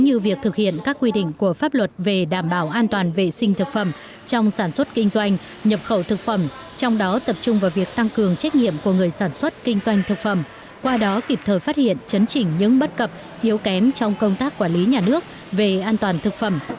như việc thực hiện các quy định của pháp luật về đảm bảo an toàn vệ sinh thực phẩm trong sản xuất kinh doanh nhập khẩu thực phẩm trong đó tập trung vào việc tăng cường trách nhiệm của người sản xuất kinh doanh thực phẩm qua đó kịp thời phát hiện chấn chỉnh những bất cập yếu kém trong công tác quản lý nhà nước về an toàn thực phẩm